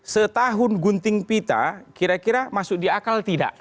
setahun gunting pita kira kira masuk di akal tidak